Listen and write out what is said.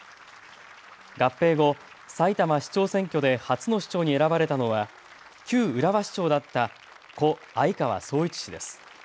合併後、さいたま市長選挙で初の市長に選ばれたのは旧浦和市長だった故・相川宗一氏です。